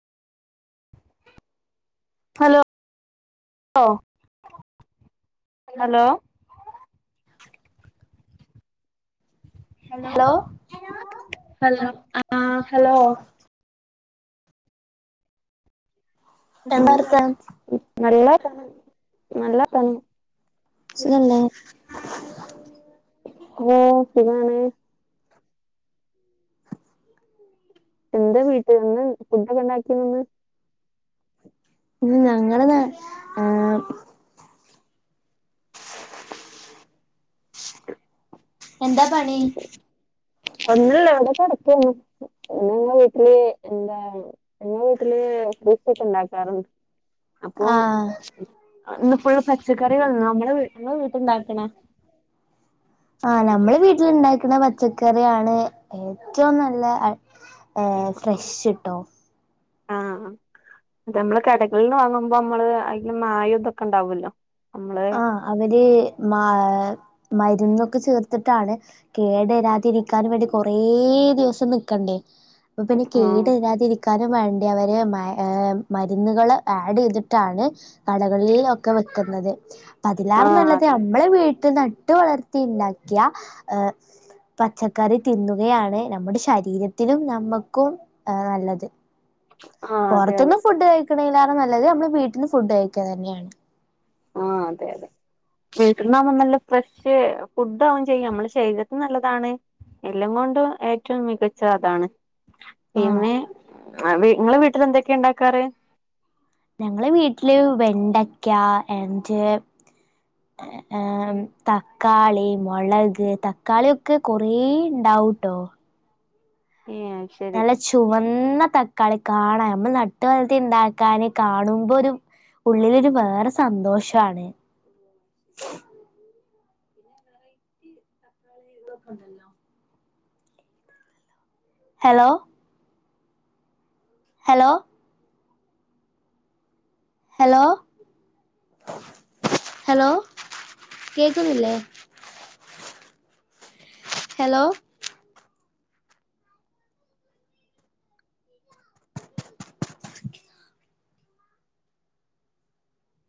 Hello ലോ hello hello hello ആഹ് hello നല്ല നല്ല പണി. ഓ സുഖാണ്. എന്താ വീട്ടിൽ നിന്ന് ഫുഡൊക്കെ ഉണ്ടാക്കി നിന്ന് എന്താ പണി ഒന്നല്ല അവിടെ കടക്കന്ന് ഞങ്ങൾ വീട്ടില് എന്താ ഞങ്ങളുടെ വീട്ടിൽ ആ ആ നമ്മള് വീട്ടിൽ ഉണ്ടാക്കുന്ന പ പച്ചക്കറിയാണ് ഏറ്റവും നല്ല ഏ ഫ്രഷ് ഇട്ടോ ആഹ് നമ്മൾ കടകളിൽ നിന്ന് വാങ്ങുബോ അ നമ്മള് അ മായ ഇതൊക്കെ ഉണ്ടാവല്ലോ ആ അവരെ മ ആ മരുന്നൊക്കെ ചേർത്തിട്ടാണ് കേടരാതിരിക്കാൻ വേണ്ടി കൊറേ ദിവസം നിക്കണ്ടേ അപ്പൊ പിന്നെ കേടരാതിരിക്കാനും വ അവര് മരുന്നുകൾ ആഡ് ചെയ്തിട്ടാണ് കടകളിൽ ഒക്കെ വെക്കുന്നത് അതിലായിരും നല്ലത് നമ്മള് വീട്ടിൽ നട്ട് വളർ ത്തി ണ്ടാക്കിയ ഏഹ് പച്ചക്കറി തിന്നുകയാണ് നമ്മുടെ ശരീരത്തിലും നമ്മ ക്കും ഏഹ് നല്ലത് പൊറത്ത്ന്ന് ഫുഡ്കഴിക്കിണീലേ നല്ലത് നമ്മള് വീട്ടിന്ന്ഫുഡ് കഴിക്കുക തന്നെയാണ് ആഹ് അതെ അതെ വീട്ടിൽന്നാ നല്ല ഫ്രഷ് ഫുഡ് ആവുകയുംചെയ്യും നമ്മുടെ ശരീരത്തി നല്ലതാണ് എല്ലാം കൊണ്ടും ഏറ്റവും മികച്ച അതാണ് പിന്നെ ആ വി ങ്ങള് വീട്ടില് എന്തൊക്കെയ ഉണ്ടാക്കാറ് ഞങ്ങള് വീട്ടില് വെണ്ടക്ക, ആൻ്റ് ഏഹ് തക്കാളി, മുളക്‌, തക്കാളി ക്ക്കൊറേ ഉണ്ടാവൂട്ടോ നല്ല ചുവന്ന തക്കാളി കാണ ഞമ്മള് നട്ട് വളർത്തി ണ്ടാക്കാന് കാണുമ്പൊരു ഉള്ളിലൊരു വേറെ സന്തോഷാണ് ന്തോ കണ്ടല്ലോ ഹലോ ഹലോ ഹലോ ഹലോ കേൾക്കുന്നില്ലേ ഹലോ